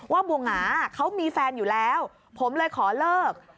บัวหงาเขามีแฟนอยู่แล้วผมเลยขอเลิก